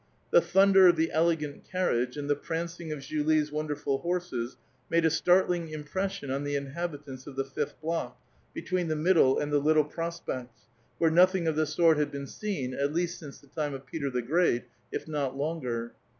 The thunder of the elegant carriage, and the prancing of Julie's wonderful horses, made a startling impression on the inhabitants of the fifth block, between the Middle and the Little Prospekts, where nothing of the sort had been seen, at least since the time of Peter the Great, if not h)nger.